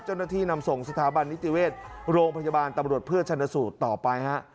เจ้าหน้าที่นำส่งสถาบันนิติเวชโรงพยาบาลตำรวจเพื่อชนะสูตรต่อไปฮะ